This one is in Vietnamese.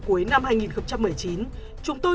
cuối năm hai nghìn một mươi chín chúng tôi